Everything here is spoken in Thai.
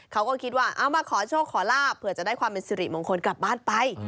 เขาก็คิดว่าเอามาขอโชคขอลาบเผื่อจะได้ความเป็นสิริมงคลกลับบ้านไป